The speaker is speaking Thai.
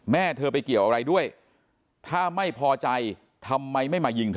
แม่เธอไปเกี่ยวอะไรด้วยถ้าไม่พอใจทำไมไม่มายิงเธอ